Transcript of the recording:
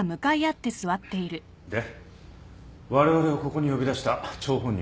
でわれわれをここに呼び出した張本人は？